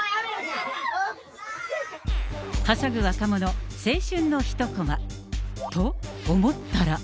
はしゃぐ若者、青春の一コマ。と思ったら。